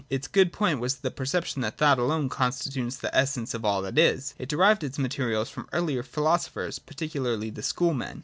Its good point was the perception that thought alone con stitutes the essence of all that is. It derived its materials from earlier philosophers, particularly the Schoolmen.